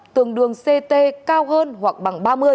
tương đương ct cao hơn hoặc bằng ba mươi